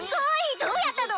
どうやったの？